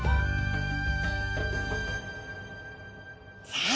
さあ